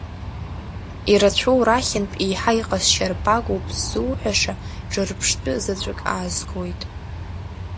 Ирацәоу рахьынтә еиҳа иҟазшьарбагоуп ззуҳәаша ҿырԥштәы заҵәык аазгоит.